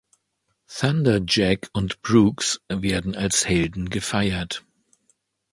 Thunder Jack und Brooks werden als Helden gefeiert.